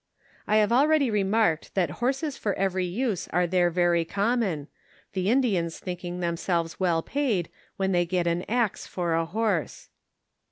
I have already remarked that horses for every use are there very common, the Indians thinking themselves well paid when they get an axe for a horse.